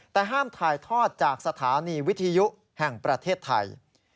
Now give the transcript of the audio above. แต่ห้ามถ่ายทอดจากสถานีวิทยุแห่งประเทศไทย